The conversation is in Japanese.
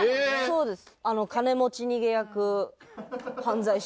そうです。